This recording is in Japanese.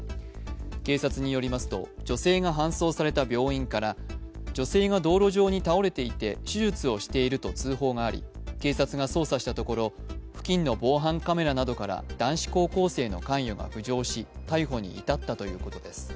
警察によりますと女性が搬送された病院から女性が道路上に倒れていて手術をしていると通報があり警察が捜査したところ、付近の防犯カメラなどから男子高校生の関与が浮上し逮捕に至ったということです。